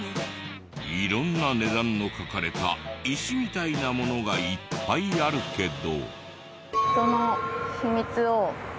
色んな値段の書かれた石みたいなものがいっぱいあるけど。